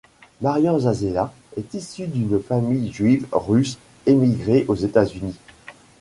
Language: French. Marian Zazeela est issue d'une famille juive russe émigrée aux États-Unis.